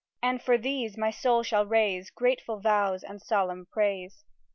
And for these my soul shall raise Grateful vows and solemn praise.